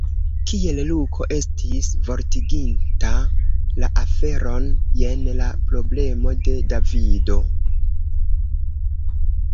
Kiel Luko estis vortiginta la aferon – jen la problemo de Davido.